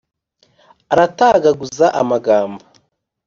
aratagaguza amagambo.